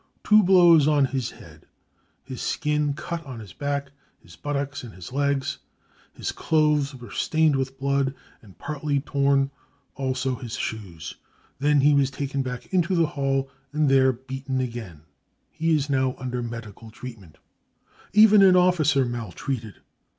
Two blows on his head ; his skin cut on his back, his buttocks and his legs. His clothes were stained with blood, and partly torn, also his shoes. Then he was taken back into the hall and there beaten again. He is now under medical treatment." Even an Officer Maltreated.